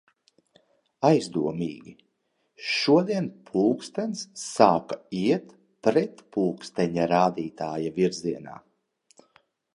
Aizdomīgi... Šodien pulkstens sāka iet pretpulksteņrādītājvirzienā!